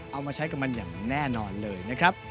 เอามาใช้กับมันอย่างแน่นอนเลยนะครับ